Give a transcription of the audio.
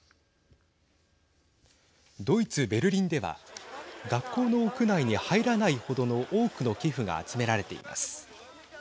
ドイツ、ベルリンでは学校の屋内に入らない程の多くの寄付が集められています。